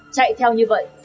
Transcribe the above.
chạy theo như vậy